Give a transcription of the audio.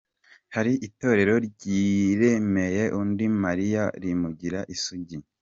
Hari Itorero ryiremeye undi Mariya, rimugira isugi .